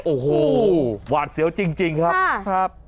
โอ้โหหวาดเสียวจริงครับ